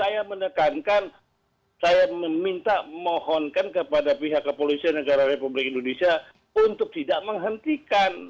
saya menekankan saya meminta mohonkan kepada pihak kepolisian negara republik indonesia untuk tidak menghentikan